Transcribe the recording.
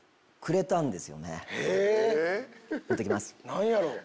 何やろう？